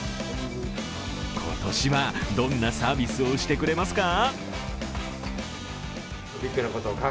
今年は、どんなサービスをしてくれますか？